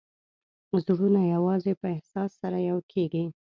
زړونه یوازې په احساس سره یو کېږي.